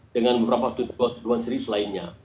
dengan beberapa tuduhan serius lainnya